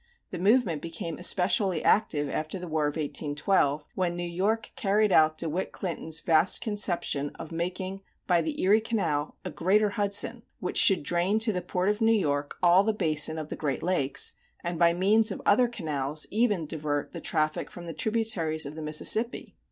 The movement became especially active after the War of 1812, when New York carried out De Witt Clinton's vast conception of making by the Erie Canal a greater Hudson which should drain to the port of New York all the basin of the Great Lakes, and by means of other canals even divert the traffic from the tributaries of the Mississippi.